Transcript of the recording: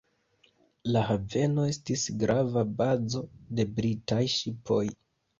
La haveno estis grava bazo de britaj ŝipoj.